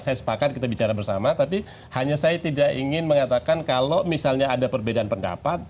saya sepakat kita bicara bersama tapi hanya saya tidak ingin mengatakan kalau misalnya ada perbedaan pendapat